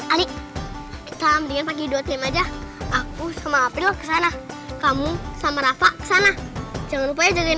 ali tamatnya pagi dua aja aku sama apel kesana kamu sama rafa sana jangan lupa jagain